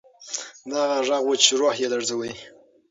دا هغه غږ و چې روح یې لړزاوه.